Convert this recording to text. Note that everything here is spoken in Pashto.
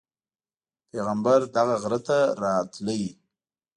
پیغمبر دغه غره ته راتللو.